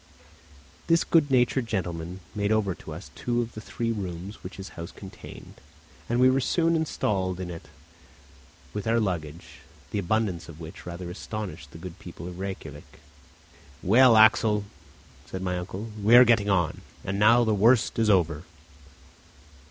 This good natured gentleman made over to us two of the three rooms which his house contained, and we were soon installed in it with all our luggage, the abundance of which rather astonished the good people of Rejkiavik. "Well, Axel," said my uncle, "we are getting on, and now the worst is over."